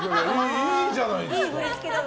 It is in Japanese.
いいじゃないですか。